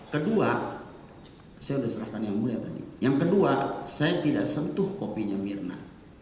kedua saya sudah serahkan yang mulia tadi yang kedua saya tidak sentuh kopinya mirna